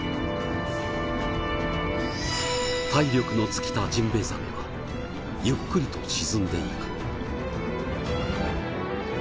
体力の尽きたジンベイザメはゆっくりと沈んでいく。